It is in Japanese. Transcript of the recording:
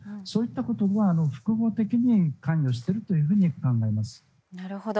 そういったことが複合的に関与していると考えられます。